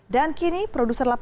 dan kini produser laptop